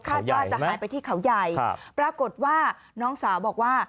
ว่าจะหายไปที่เขาใหญ่ปรากฏว่าน้องสาวบอกว่า